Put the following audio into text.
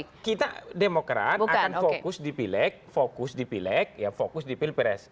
oh bukan kita demokrat akan fokus di pileg fokus di pileg fokus di pilpres